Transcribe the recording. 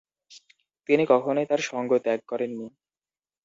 তিনি কখনই তার সঙ্গ ত্যাগ করেননি।